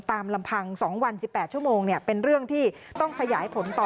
ลำพัง๒วัน๑๘ชั่วโมงเป็นเรื่องที่ต้องขยายผลต่อ